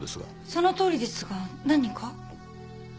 そのとおりですが何か？